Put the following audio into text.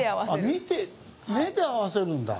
見て目で合わせるんだ。